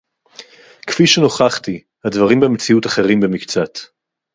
כְּפִי שֶנוֹכַחְתִי, הַדְבָרִים בִּמְצִיאוּת אַחְרִים בְּמִקְצָת.